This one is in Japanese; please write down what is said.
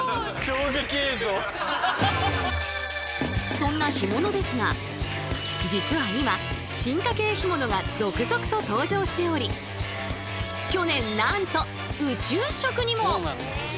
そんな干物ですが実は今進化系干物が続々と登場しており去年なんと宇宙食にも！